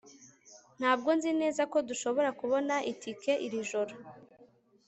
ntabwo nzi neza ko dushobora kubona itike iri joro